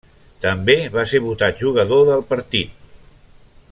També va ser votat Jugador del Partit.